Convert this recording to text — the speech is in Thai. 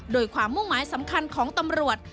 โดยความมุ่งหมายสำคัญของตำรวจ